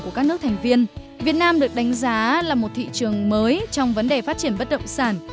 các nước thành viên việt nam được đánh giá là một thị trường mới trong vấn đề phát triển bất động sản